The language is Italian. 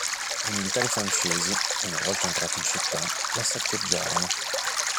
I militari francesi, una volta entrati in città, la saccheggiarono.